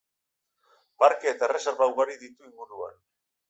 Parke eta erreserba ugari ditu inguruan.